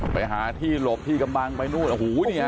ไปหาที่หลบที่กำลังไปนู่นโอ้โหนี่ฮะ